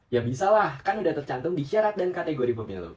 ya bisa lah kan udah tercantum di syarat dan kategori pemilu